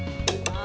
あ！